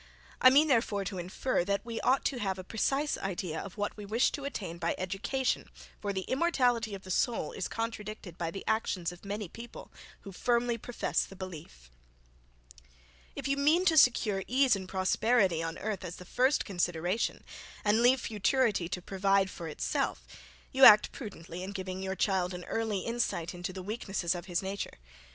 I mean, therefore to infer, that we ought to have a precise idea of what we wish to attain by education, for the immortality of the soul is contradicted by the actions of many people, who firmly profess the belief. If you mean to secure ease and prosperity on earth as the first consideration, and leave futurity to provide for itself, you act prudently in giving your child an early insight into the weaknesses of his nature.